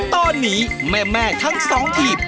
ต้อนีแม่แม่ทั้งสองผีบ